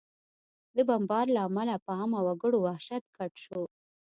د بمبار له امله په عامه وګړو وحشت ګډ شو